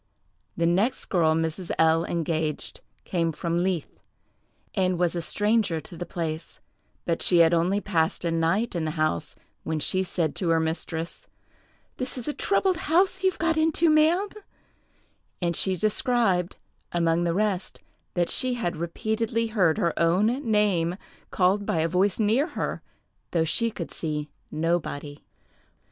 The next girl Mrs. L—— engaged came from Leith, and was a stranger to the place; but she had only passed a night in the house, when she said to her mistress, "This is a troubled house you've got into, ma'am;" and she described, among the rest, that she had repeatedly heard her own name called by a voice near her, though she could see nobody.